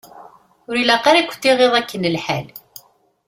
Ur ilaq ara ad kunt-iɣiḍ akken lḥal!